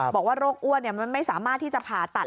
บอกว่าโรคอ้วนมันไม่สามารถที่จะผ่าตัด